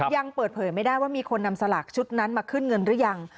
ยังเปิดเผยไม่ได้ว่ามีคนนำสลากชุดนั้นมาขึ้นเงินหรือยัง